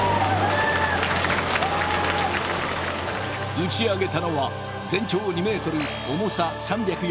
打ち上げたのは全長２ｍ重さ３４０ｋｇの小型無人着陸船